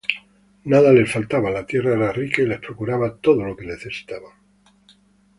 Nada les faltaba, la tierra era rica y les procuraba todo lo que necesitaban.